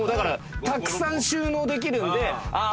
たくさん収納できるんでああ